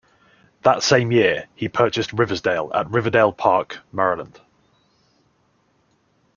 That same year, he purchased Riversdale at Riverdale Park, Maryland.